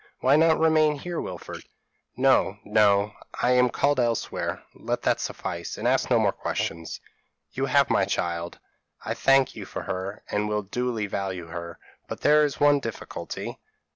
p> "'Why not remain here, Wilfred?' "'No, no, I am called elsewhere; let that suffice, and ask no more questions. You have my child.' "'I thank you for her, and will duly value her; but there is one difficulty.'